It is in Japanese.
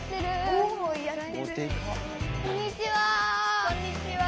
こんにちは。